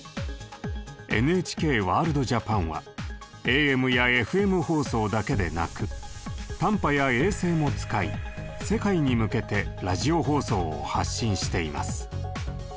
「ＮＨＫワールドＪＡＰＡＮ」はＡＭやＦＭ放送だけでなく短波や衛星も使い世界に向けてラジオ放送を発信しています。